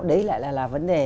đấy lại là vấn đề